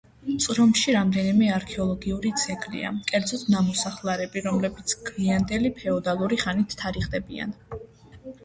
წრომში რამდენიმე არქეოლოგიური ძეგლია, კერძოდ, ნამოსახლარები, რომლებიც გვიანდელი ფეოდალური ხანით თარიღდებიან.